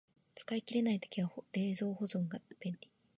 使い切れない時は冷凍保存が便利